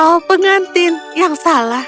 oh pengantin yang salah